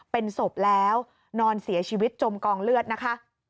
เป็นศพแล้วนอนเสียชีวิตจมกองเลือดนะคะ